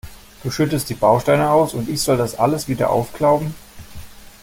Du schüttest die Bausteine aus, und ich soll das alles wieder aufklauben?